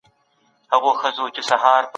مناسب کار د رضایت احساس ورکوي.